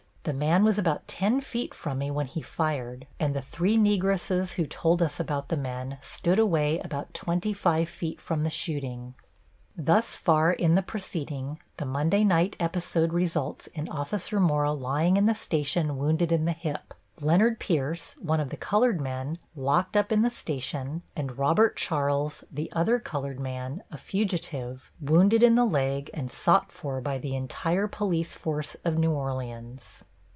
The man was about ten feet from me when he fired, and the three Negresses who told us about the men stood away about twenty five feet from the shooting. Thus far in the proceeding the Monday night episode results in Officer Mora lying in the station wounded in the hip; Leonard Pierce, one of the colored men, locked up in the station, and Robert Charles, the other colored man, a fugitive, wounded in the leg and sought for by the entire police force of New Orleans.